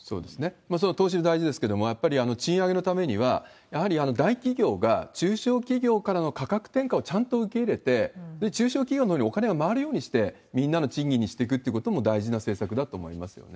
それは投資も大事ですけれども、賃上げのためには、やはり大企業が、中小企業からの価格転嫁をちゃんと受け入れて、中小企業のほうにお金が回るようにして、みんなの賃金にしていくということも大事な政策だと思いますよね。